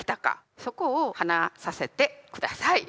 そこを話させて下さい。